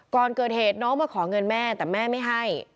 ก่อนเกิดเหตุน้องมาขอเงินแม่แต่แม่ไม่ให้